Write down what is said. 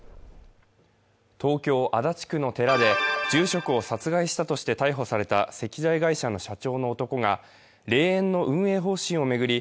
東京・足立区の寺で住職を殺害したとして逮捕された石材会社の社長の男が霊園の運営方針を巡り